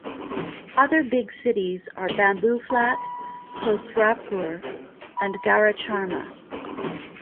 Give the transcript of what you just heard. Other big cities are : Bambooflat, Prothrapur, and Garacharma.